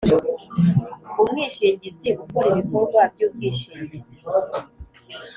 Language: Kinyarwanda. Umwishingizi ukora ibikorwa by ubwishingizi